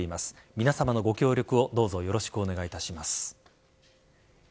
皆さまのご協力をどうぞよろしくお願いいたします。